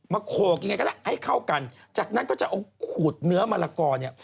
โขกยังไงก็ได้ให้เข้ากันจากนั้นก็จะเอาขูดเนื้อมะละกอเนี่ย